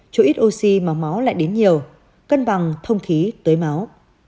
chỗ ít oxy mà máu lại đến nhiều cân bằng thông khí tới máu